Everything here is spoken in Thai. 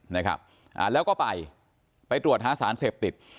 นะครับอ่าแล้วก็ไปไปตรวจหาสารเสพติด